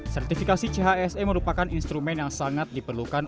sertifikasi chse merupakan instrumen yang sangat diperlukan